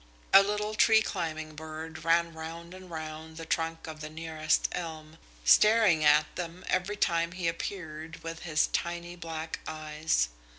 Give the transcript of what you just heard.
A little tree climbing bird ran round and round the trunk of the nearest elm, staring at them, every time he appeared, with his tiny black eyes.